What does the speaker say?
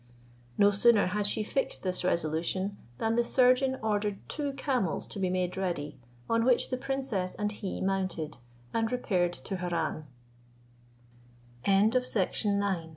No sooner had she fixed this resolution, than the surgeon ordered two camels to be made ready, on which the princess and he mounted, and repaired to Harran.